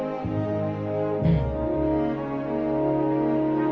うん。